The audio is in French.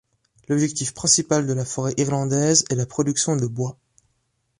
L’objectif principal de la forêt irlandaise est la production de bois.